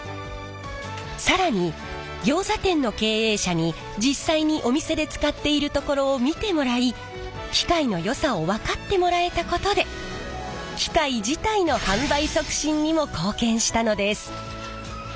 更にギョーザ店の経営者に実際にお店で使っているところを見てもらい機械のよさを分かってもらえたことで機械自体の販売促進にも貢献したのです。